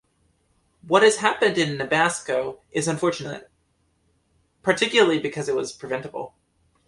What has happened to the Neabsco is unfortunate, particularly because it was preventable.